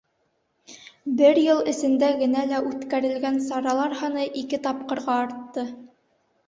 Бер йыл эсендә генә лә үткәрелгән саралар һаны ике тапҡырға артты.